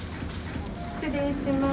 失礼します。